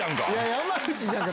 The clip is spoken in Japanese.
「山内じゃんか」